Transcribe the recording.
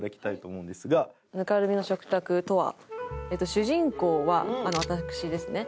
主人公は私ですね。